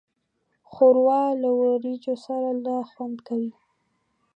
ښوروا له وریجو سره لا خوند کوي.